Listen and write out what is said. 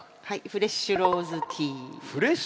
フレッシュローズティー。